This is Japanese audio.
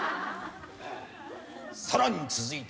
さらに続いて。